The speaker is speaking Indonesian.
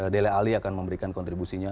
dele alli akan memberikan kontribusi